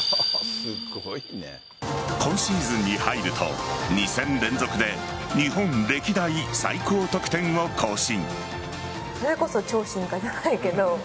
今シーズンに入ると、２戦連続で日本歴代最高得点を更新。